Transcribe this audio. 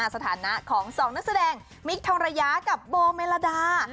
สถานะของ๒นักแสดงมิคทองระยะกับโบเมลดา